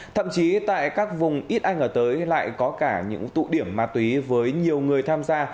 thậm chí tại các vùng ít anh ngờ tới lại có cả những tụ điểm ma túy với nhiều người tham gia